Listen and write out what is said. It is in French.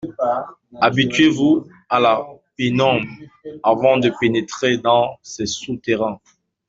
Habituez-vous a la pénombre avant de pénétrer dans ces sous-terrains.